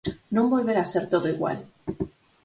Non volverá ser todo igual.